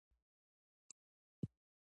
یاقوت د افغان ځوانانو لپاره دلچسپي لري.